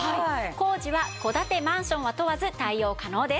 工事は戸建て・マンションは問わず対応可能です。